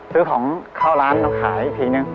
ซื้อของเข้าร้านแล้วขายอีกทีนึง